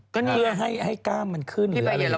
เพื่อให้กล้ามมันขึ้น